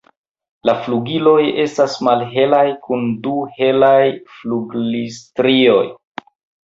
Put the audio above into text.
La flugiloj estas malhelaj kun du helaj flugilstrioj.